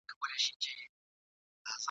زه د خپل وجود په وینو دلته شمعي بلومه ..